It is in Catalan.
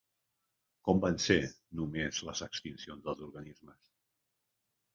Com van ser només les extincions dels organismes?